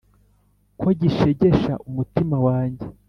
ko gishegesha umutima wanjye